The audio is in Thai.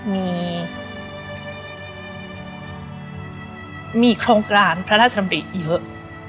มีโครงการพระราชดำริเยอะ